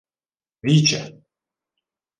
— Віче!